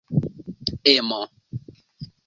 emo